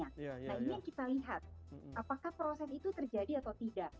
nah ini yang kita lihat apakah proses itu terjadi atau tidak